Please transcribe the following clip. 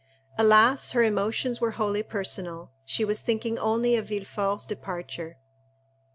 Alas, her emotions were wholly personal: she was thinking only of Villefort's departure.